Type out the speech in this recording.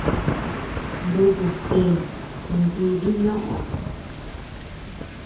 Nuku të jintibi ñoʼö.